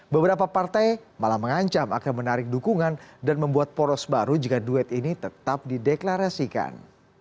beberapa partai malah mengancam akan menarik dukungan dan membuat poros baru jika duet ini tetap dideklarasikan